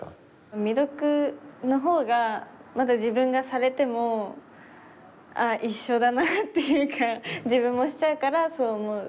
未読の方がまだ自分がされてもああ一緒だなっていうか自分もしちゃうからそう思う。